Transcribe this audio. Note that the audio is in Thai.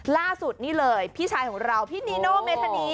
ล่าสุดนี่เลยพี่ชายของเราพี่นีโนเมธานี